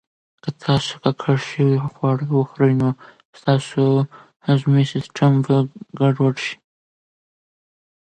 که تاسو ککړ شوي خواړه وخورئ، نو ستاسو هضمي سیسټم به ګډوډ شي.